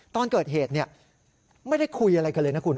ตอนเกิดเหตุเนี่ยไม่ได้คุยอะไรกันเลยนะครับคุณ